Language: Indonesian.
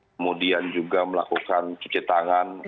kemudian juga melakukan cuci tangan